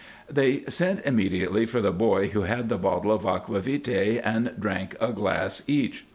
They sent immediately for the boy who had the bottle of aquavita?, and drank a glass each.